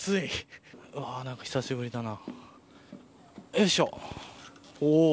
なんか久しぶりだな。